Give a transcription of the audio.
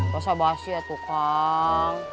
bahasa bahasi ya tukang